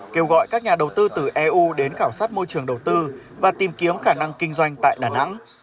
kêu gọi các nhà đầu tư từ eu đến khảo sát môi trường đầu tư và tìm kiếm khả năng kinh doanh tại đà nẵng